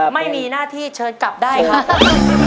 ไม่มีหน้าที่เชิญกลับได้ครับ